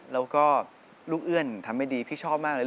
แล้วก็ลูกเอื้อนทำไม่ดีพี่ชอบมากเลย